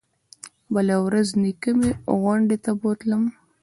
بله ورځ نيكه مې غونډۍ ته بوتلم.